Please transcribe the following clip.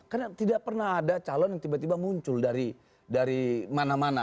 karena tidak pernah ada calon yang tiba tiba muncul dari mana mana